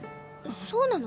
そうなの？